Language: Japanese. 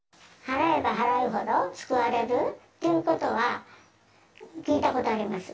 払えば払うほど救われるということは、聞いたことあります。